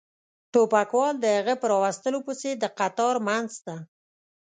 ټوپکوال د هغه په را وستلو پسې د قطار منځ ته.